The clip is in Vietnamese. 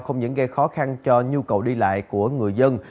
không những gây khó khăn cho nhu cầu đi lại của người dân